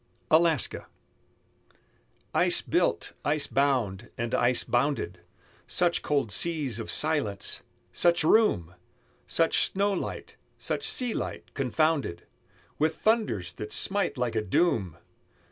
ALASKA Ice built, ice bound, and ice bounded, Such cold seas of silence! such room! Such snow light, such sea light, confounded With thunders that smite like a doom!